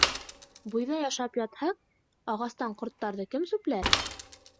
— Бойҙай ашап ятһаҡ, ағастан ҡорттарҙы кем сүпләр?